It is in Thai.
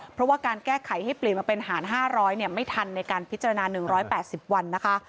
เพราะว่าการแก้ไขให้เปลี่ยนมาเป็นหาร๕๐๐ไม่ทันในการพิจารณา๑๘๐วันนะคะ